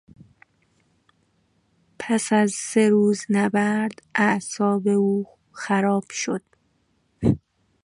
پس از سه روز نبرد اعصاب او خراب شد